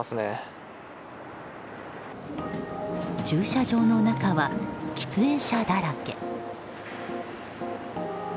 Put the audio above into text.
駐車場の中は喫煙者だらけ。